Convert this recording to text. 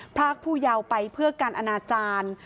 พรากผู้เยาว์ไปเพื่อการอนาจารย์